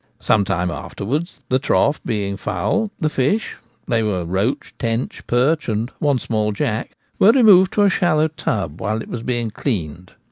Some time afterwards, the trough being foul, the fish — they were roach, tench, perch, and one small jack — were removed to a shallow tub while it was being cleansed.